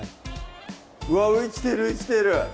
うわっ生きてる生きてる